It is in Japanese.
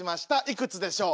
いくつでしょう。